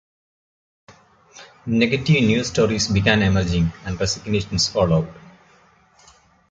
Negative news stories began emerging and resignations followed.